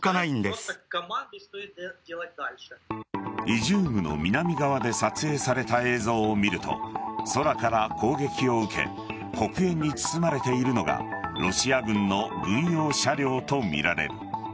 イジュームの南側で撮影された映像を見ると空から攻撃を受け黒煙に包まれているのがロシア軍の軍用車両とみられる。